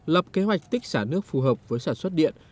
lập kế hoạch tích xả nước phù hợp với sản xuất điện